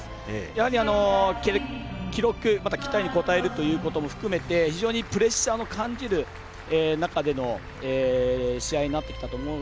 やはり、記録期待に応えるということも含めて非常にプレッシャーを感じる中での試合になってきたと思う。